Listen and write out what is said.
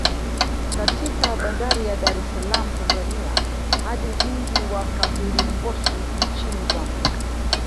Katika bandari ya Dar es salaam Tanzania hadi mji wa Kapirimposhi Nchini Zambia